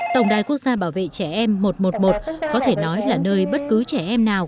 tổng đài quốc gia bảo vệ trẻ em một trăm một mươi một có thể nói là nơi bất cứ trẻ em nào